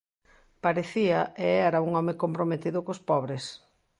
Parecía e era un home comprometido cos pobres.